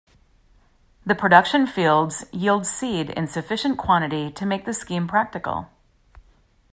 The production fields yield seed in sufficient quantity to make the scheme practical.